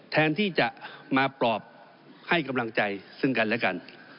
แทนที่จะมาปลอบให้กำลังใจซึ่งกันและกัน